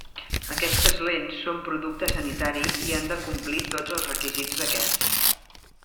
Aquestes lents són producte sanitari i han de complir tots els requisits d'aquests.